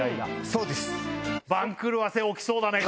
そうです。